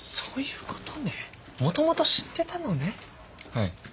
はい。